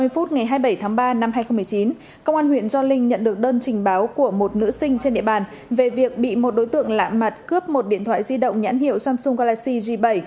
ba mươi phút ngày hai mươi bảy tháng ba năm hai nghìn một mươi chín công an huyện gio linh nhận được đơn trình báo của một nữ sinh trên địa bàn về việc bị một đối tượng lạ mặt cướp một điện thoại di động nhãn hiệu samsung galaxy g bảy